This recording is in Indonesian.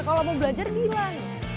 kalau mau belajar bilang